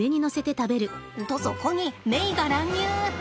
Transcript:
とそこにメイが乱入！